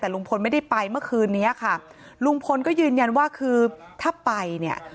แต่ลุงพลไม่ได้ไปเมื่อคืนนี้ค่ะลุงพลก็ยืนยันว่าคือถ้าไปเนี่ย